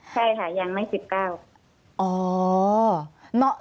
ใช่ค่ะยังไม่๑๙